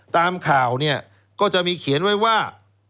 ตามข่าวเนี่ยก็จะมีเขียนไว้ว่า